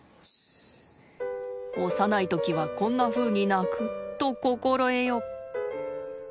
幼い時はこんなふうに鳴くと心得よ。